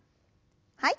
はい。